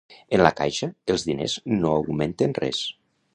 En la caixa, els diners no augmenten res.